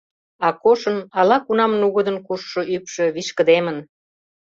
Акошын ала-кунам нугыдын кушшо ӱпшӧ вишкыдемын.